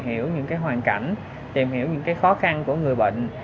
hiểu những hoàn cảnh tìm hiểu những khó khăn của người bệnh